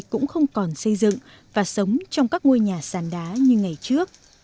cũng không còn xây dựng và sống trong các ngôi nhà sàn đá như ngày trước